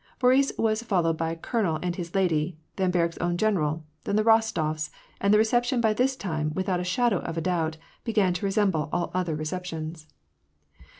Boris was followed by a colonel and his lady, then Berg's own general, then the Rostofs ; and the reception by this time, without a shadow of a doubt, began to resemble all other receptions.